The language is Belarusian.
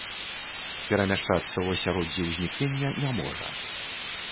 Перамяшчацца ў асяроддзі ўзнікнення не можа.